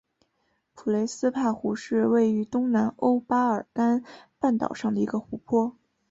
普雷斯帕湖是位于东南欧巴尔干半岛上的一个湖泊。